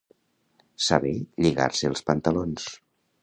Saber lligar-se els pantalons.